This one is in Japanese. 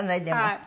はい。